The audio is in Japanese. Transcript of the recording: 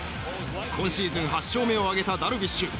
今シーズン８勝目を挙げたダルビッシュ。